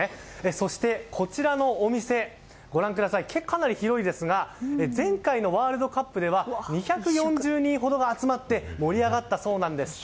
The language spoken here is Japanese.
そして、こちらのお店かなり広いですが前回のワールドカップでは２４０人ほどが集まって盛り上がったそうなんです。